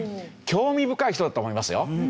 興味深い人だと思いますよ。